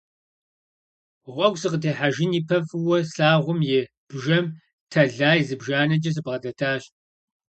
Гъуэгу сыкъытехьэжын и пэ фӀыуэ слъагъум и бжэм тэлай зыбжанэкӀэ сыбгъэдэтащ.